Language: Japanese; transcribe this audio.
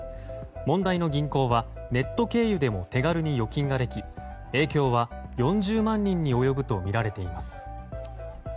問題の銀行はネット経由でも手軽に預金ができ影響は４０万人に及ぶとみられています。